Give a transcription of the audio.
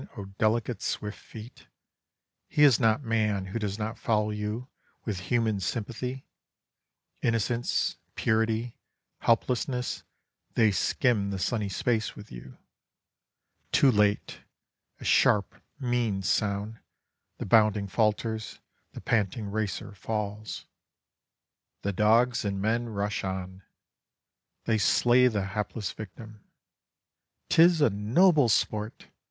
oh delicate, swift feet! He is not man who does not follow you with human sympathy. Innocence, purity, helplessness, they skim the sunny space with you. Too late! A sharp, mean sound, the bounding falters, the panting racer falls. The dogs and men rush on. They slay the hapless victim. 'Tis a noble sport!